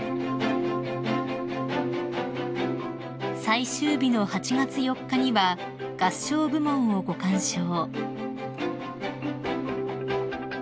［最終日の８月４日には合唱部門をご鑑賞］